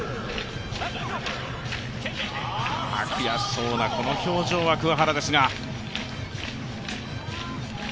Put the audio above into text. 悔しそうなこの表情は桑原ですが。